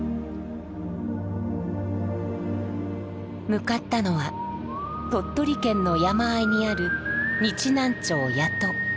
向かったのは鳥取県の山あいにある日南町矢戸。